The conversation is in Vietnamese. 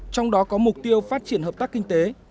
trong đó có mục tiêu phát triển hợp tác kinh tế